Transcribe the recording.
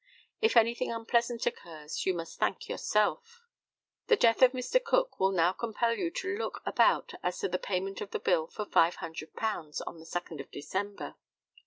If anything unpleasant occurs you must thank yourself." "The death of Mr. Cook will now compel you to look about as to the payment of the bill for £500, on the 2d December."